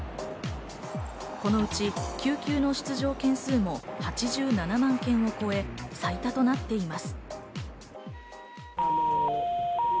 このうち、救急の出場件数も８７万件を超え、最多となっています。